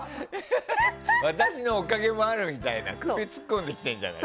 私のおかげもあるみたいな首突っ込んできてるじゃん。